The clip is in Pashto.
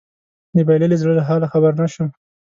د بايللي زړه له حاله خبر نه شوم